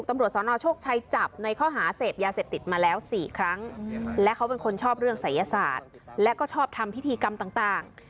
ตำรวจสนโชคชัยจับในข้อหาเสพยาเสพติดมาแล้ว๔ครั้งและเขาเป็นคนชอบเรื่องศัยศาสตร์และก็ชอบทำพิธีกรรมต่าง